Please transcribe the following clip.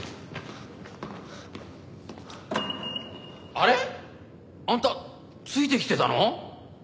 あれっ？あんたついてきてたの？